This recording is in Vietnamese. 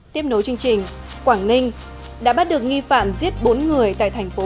tiếp nối chương trình quảng ninh đã bắt được nghi phạm giết bốn người tại thành phố